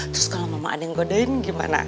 terus kalau mama ada yang godain gimana